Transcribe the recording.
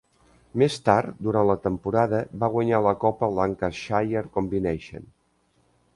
Més tard durant la temporada va guanyar la copa Lancashire Combination.